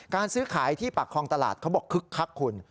ซื้อขายที่ปากคลองตลาดเขาบอกคึกคักคุณ